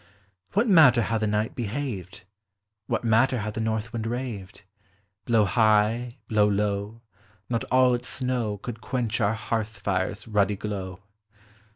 What matter how the night behaved? What matter how the north wind raved? Blow high, blow low, not all its snow Could quench our hearth fire's ruddy glow.